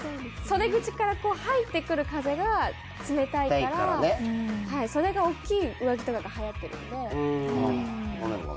袖口から入ってくる風が冷たいから袖が大きい上着とかがはやってるので。